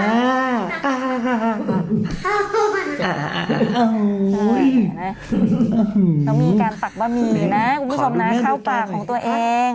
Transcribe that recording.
แล้วมีการตักบะหมี่นะคุณผู้ชมนะเข้าปากของตัวเอง